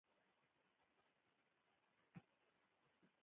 پر اسرائیلي نارینه وو درې کاله او پر ښځو دوه کاله جبری ده.